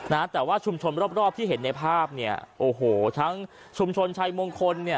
นะแต่ว่าชุมชนรอบรอบที่เห็นในภาพเนี่ยโอ้โหทั้งชุมชนชัยมงคลเนี่ย